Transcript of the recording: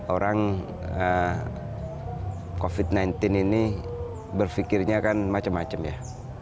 orang covid sembilan belas ini berfikirnya kan macam macam ya